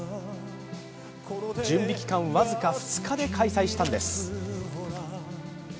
準備期間、僅か２日で開催したんです。